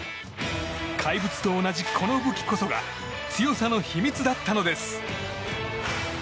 怪物と同じこの武器こそが強さの秘密だったのです。